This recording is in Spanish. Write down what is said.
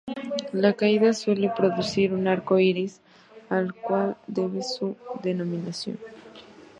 La caída suele producir un arco iris al cual debe su denominación.